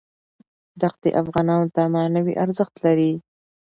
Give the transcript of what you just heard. دښتې افغانانو ته معنوي ارزښت لري.